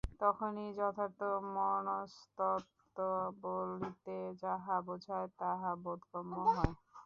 তখনই যথার্থ মনস্তত্ত্ব বলিতে যাহা বোঝায়, তাহা বোধগম্য হয়।